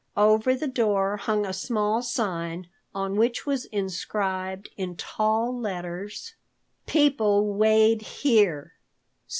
Over the door hung a small sign on which was inscribed in tall letters: PEOPLE WEIGHED HERE.